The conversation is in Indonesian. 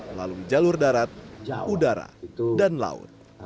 melalui jalur darat udara dan laut